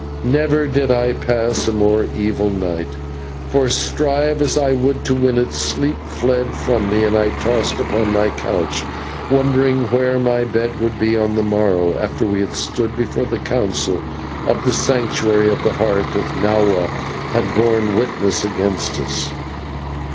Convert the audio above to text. Never did I pass a more evil night; for, strive as I would to win it, sleep fled from me, and I tossed upon my couch, wondering where my bed would be on the morrow, after we had stood before the Council in the Sanctuary of the Heart, and Nahua had borne witness against us.